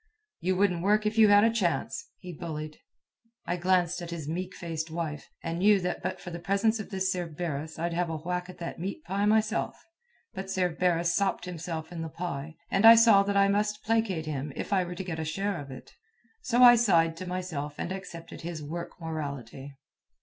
"You wouldn't work if you had a chance," he bullied. I glanced at his meek faced wife, and knew that but for the presence of this Cerberus I'd have a whack at that meat pie myself. But Cerberus sopped himself in the pie, and I saw that I must placate him if I were to get a share of it. So I sighed to myself and accepted his work morality.